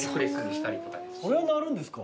これは鳴るんですか？